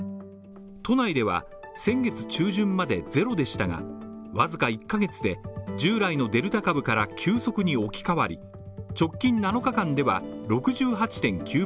都内では先月中旬までゼロでしたが、わずか１ヶ月で、従来のデルタ株から急速に置き換わり、直近７日間では６８．９％。